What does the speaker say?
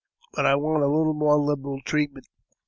But I want a little more liberal treatment.